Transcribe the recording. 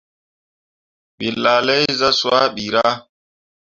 Wǝ laa lai zah swaa ɓirah.